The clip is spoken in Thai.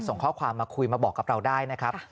ส่งข้อความมาคุยมาบอกกับเราได้นะครับ